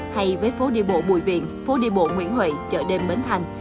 hay với phố đi bộ bùi viện phố đi bộ nguyễn huệ chợ đêm bến thành